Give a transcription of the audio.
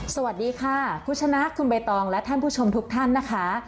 สวัสดีค่ะคุณชนะคุณใบตองและท่านผู้ชมทุกท่านนะคะ